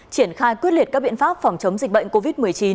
triển khai quyết liệt các biện pháp phòng chống dịch bệnh covid một mươi chín